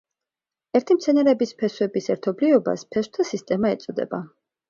ერთი მცენარის ფესვების ერთობლიობას ფესვთა სისტემა ეწოდება.